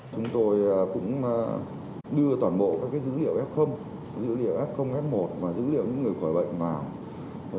chúng tôi cũng đưa toàn bộ các dữ liệu f dữ liệu f f một và dữ liệu những người khỏi bệnh vào